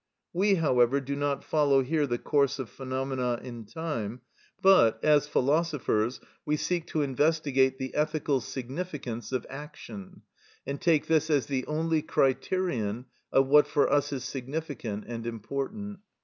We, however, do not follow here the course of phenomena in time, but, as philosophers, we seek to investigate the ethical significance of action, and take this as the only criterion of what for us is significant and important.